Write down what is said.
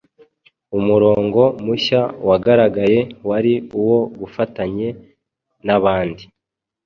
umurongo mushya wagaragaye wari uwo gufatanye nabandi.